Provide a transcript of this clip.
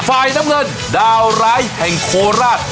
ฝ่ายน้ำเงินดาวร้ายแห่งโคราช